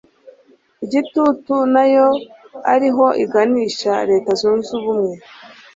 igitutu na yo ari ho iganisha Leta Zunze Ubumwe